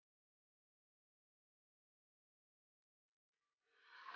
ayo kita keluar dari sini